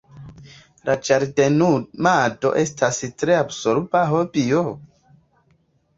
La ĝardenumado estas tre absorba hobio!